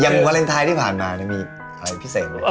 อย่างวาเลนไทยที่ผ่านมามีอะไรพิเศษหรือ